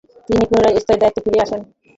তিনি পুনরায় স্বীয় দায়িত্বে ফিরে আসেন।